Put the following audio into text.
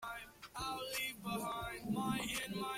Face n'umugore we biteguye kubyara umwana wa kabiri.